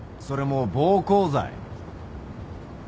それもう暴行罪。